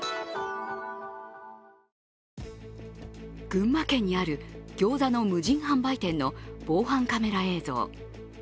群馬県にあるギョーザの無人販売店の防犯カメラ映像。